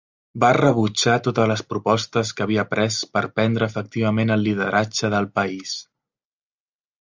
Va rebutjar totes les propostes que havia pres per prendre efectivament el lideratge del país.